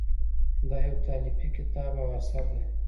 دا یو تالیفي کتاب او اثر دی.